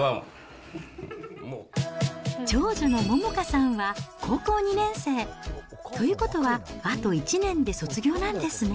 長女の百花さんは高校２年生。ということは、あと１年で卒業なんですね。